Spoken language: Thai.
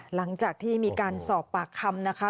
หลังจากที่มีการสอบปากคำนะคะ